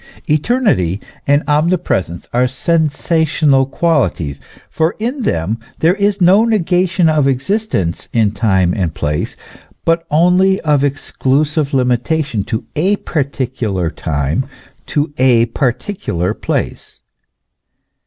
Eternity and omnipresence are sensational qualities, for in them there is no negation of existence in time and space, but only of exclusive limitation to a particular time, to a particular place.